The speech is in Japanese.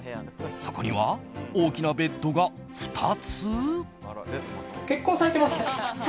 そこには大きなベッドが２つ。